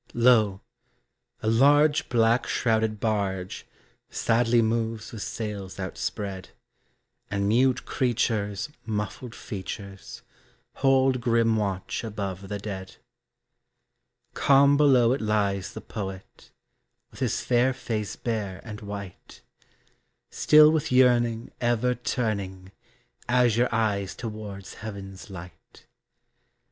Lo, a large black shrouded barge Sadly moves with sails outspread, And mute creatures' muffled features Hold grim watch above the dead. Calm below it lies the poet With his fair face bare and white, Still with yearning ever turning Azure eyes towards heaven's light.